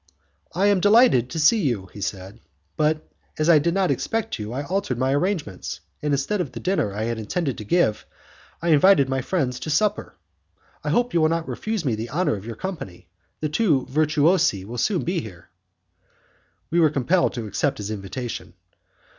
"I am delighted to see you," he said, "but as I did not expect to see you I altered my arrangements, and instead of the dinner I had intended to give I have invited my friends to supper. I hope you will not refuse me the honour of your company. The two virtuosi will soon be here." We were compelled to accept his invitation.